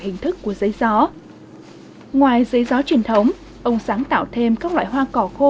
hình thức của giấy gió ngoài giấy gió truyền thống ông sáng tạo thêm các loại hoa cỏ khô